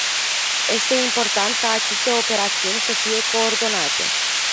Este important ca aceste operațiuni să fie coordonate.